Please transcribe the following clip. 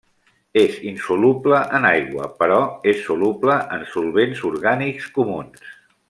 És insoluble en aigua, però és soluble en solvents orgànics comuns.